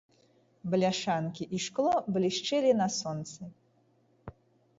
Бляшанкі і шкло блішчэлі на сонцы.